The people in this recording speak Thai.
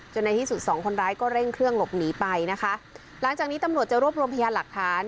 ในที่สุดสองคนร้ายก็เร่งเครื่องหลบหนีไปนะคะหลังจากนี้ตำรวจจะรวบรวมพยานหลักฐาน